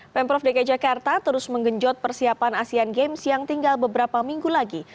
pemprov dki jakarta terus menggenjot persiapan asean games yang tinggal beberapa minggu lagi